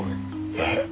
えっ！？